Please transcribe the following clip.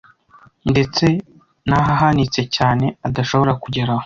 ndetse n’ahahanitse cyane adashobora kugeraho